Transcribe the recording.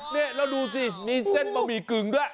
นี่แล้วดูสิมีเส้นบะหมี่กึ่งด้วย